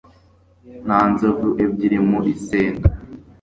nta nzovu ebyiri mu isenga